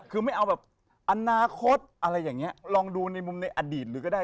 คือไม่เอาแบบอนาคตอะไรอย่างนี้ลองดูในมุมในอดีตเลยก็ได้